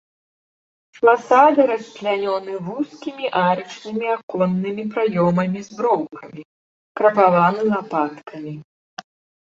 Фасады расчлянёны вузкімі арачнымі аконнымі праёмамі з броўкамі, крапаваны лапаткамі.